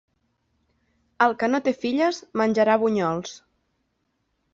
El que no té filles, menjarà bunyols.